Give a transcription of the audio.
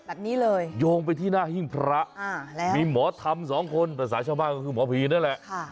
แบบนี้เลยโยงไปที่หน้าหิ้งพระมีหมอธรรมสองคนภาษาชาวบ้านก็คือหมอผีนั่นแหละ